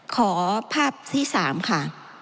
ขอภาพที่๓ค่ะ